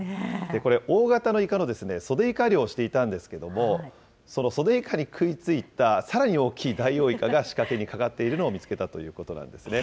これ、大型のイカのソデイカ漁をしていたんですけれども、そのソデイカに食いついたさらに大きいダイオウイカが仕掛けにかかっているのを見つけたということなんですね。